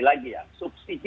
makanya e usambah tadi